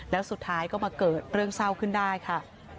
แล้วสุดท้ายก็มาเกิดเรื่องเศร้าขึ้นได้ค่ะ